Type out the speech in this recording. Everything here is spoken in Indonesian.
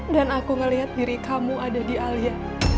dan aku melihat diri kamu ada di alia